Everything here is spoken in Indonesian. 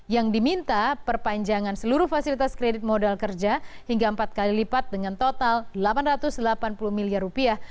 yang diminta perpanjangan seluruh fasilitas kredit modal kerja hingga empat kali lipat dengan total delapan ratus delapan puluh miliar rupiah